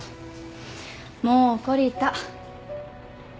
もう懲りた。